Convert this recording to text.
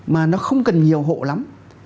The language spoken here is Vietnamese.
mà nó không cần nhiều hộ lắm